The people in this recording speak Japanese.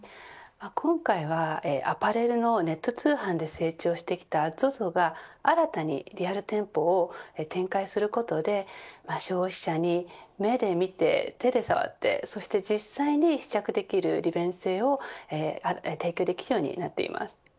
今回はアパレルのネット通販で成長してきたＺＯＺＯが新たにリアル店舗を展開することで消費者に目で見て手で触って、そして実際に試着できる利便性を提供できるようになっています。